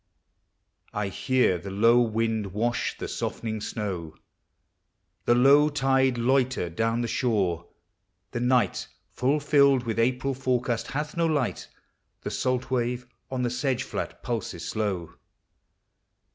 I hear the low wind wash the softening snow, The low tide loiter down the shore. The night, Full filled with April forecast hath no light. The salt wave on the sedge flat pulses slow.